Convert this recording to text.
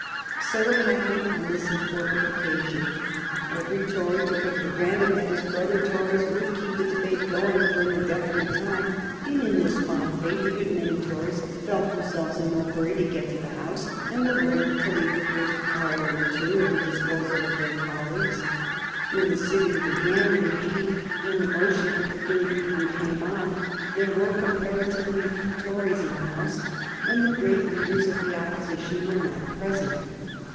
So it happened on this important occasion. Every Tory took it for granted that his brother Tories would keep the debate going for an indefinite time, and in this fond faith a good many Tories felt themselves in no hurry to get to the House, and were willing to leave the first hour or two at the disposal of their colleagues. When the sitting began, and, indeed, when the motion for the third reading came on, there were comparatively few Tories in the House, and the great leaders of Opposition were not present.